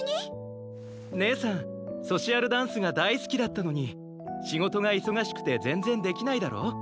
ねえさんソシアルダンスがだいすきだったのにしごとがいそがしくてぜんぜんできないだろ？